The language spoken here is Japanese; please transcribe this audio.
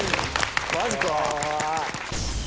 マジか。